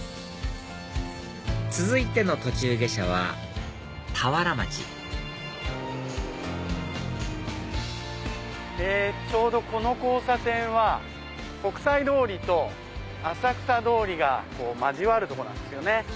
続いての途中下車は田原町ちょうどこの交差点は国際通りと浅草通りが交わるとこなんですよね。